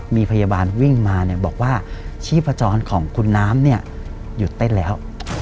มีพยาบาลวิ่งมาบอกว่าชีพจรของคุณน้ำเนี่ยหยุดเต้นแล้ว